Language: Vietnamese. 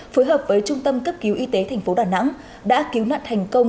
phối hợp với trung tâm cấp cứu y tế tp đà nẵng đã cứu nạn thành công